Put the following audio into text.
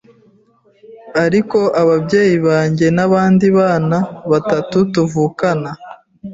ariko ababyeyi banjye n’abandi bana batatu tuvukana